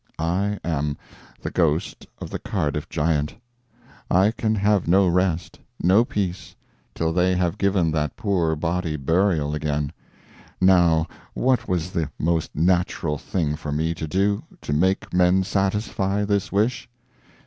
I am the ghost of the Cardiff Giant. I can have no rest, no peace, till they have given that poor body burial again. Now what was the most natural thing for me to do, to make men satisfy this wish?